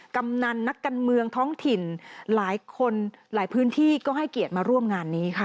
กำนันนักการเมืองท้องถิ่นหลายคนหลายพื้นที่ก็ให้เกียรติมาร่วมงานนี้ค่ะ